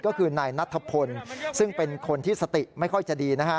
ก็คือนายนัทพลซึ่งเป็นคนที่สติไม่ค่อยจะดีนะฮะ